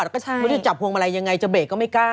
ก็จะจับควงมาลัยแบบยังไงจะเบสก็ไม่กล้า